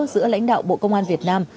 giữa lãnh đạo bộ công an việt nam